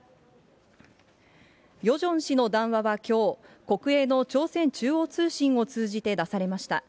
ヨジョン氏の談話はきょう、国営の朝鮮中央通信を通じて出されました。